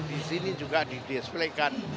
di sini juga didesplaykan